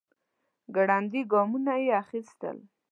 ګړندي ګامونه يې اخيستل.